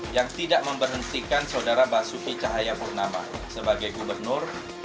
yang tidak memberhentikan saudara basuki cahayapurnama sebagai gubernur